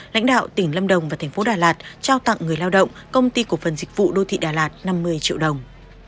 lãnh đạo tỉnh lâm đồng và thành phố đà lạt trao tặng người lao động công ty cổ phần dịch vụ đô thị đà lạt năm mươi triệu đồng